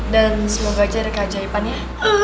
dan semoga aja ada keajaiban ya